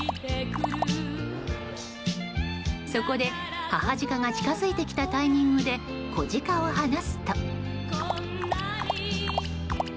そこで、母ジカが近づいてきたタイミングで子ジカを放すと。